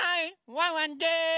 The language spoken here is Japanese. ワンワンです！